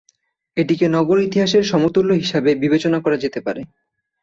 এটিকে নগর ইতিহাসের সমতুল্য হিসাবে বিবেচনা করা যেতে পারে।